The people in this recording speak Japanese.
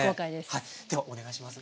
ではお願いします。